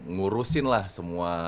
ngurusin lah semua